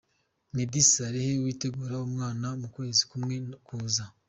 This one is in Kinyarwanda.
Meddy Saleh witegura umwana mu kwezi kumwe kuza.